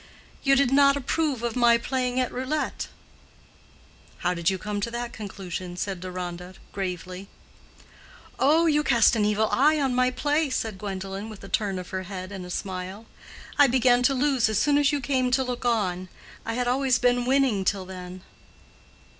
"You did not approve of my playing at roulette." "How did you come to that conclusion?" said Deronda, gravely. "Oh, you cast an evil eye on my play," said Gwendolen, with a turn of her head and a smile. "I began to lose as soon as you came to look on. I had always been winning till then."